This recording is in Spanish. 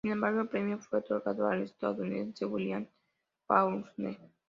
Sin embargo el premio fue otorgado al estadounidense William Faulkner.